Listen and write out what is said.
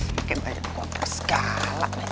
mungkin aja aku apa segala lagi